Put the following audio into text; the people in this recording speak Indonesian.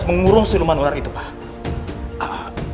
mengurung siluman ular itu pak